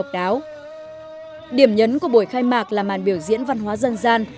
điểm nhấn của buổi khai mạc là màn biểu diễn văn hóa dân gian